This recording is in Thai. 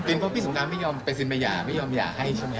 เป็นเพราะพี่สุน้ำไม่ยอมไปสินมะยาไม่ยอมยาให้ใช่มั้ย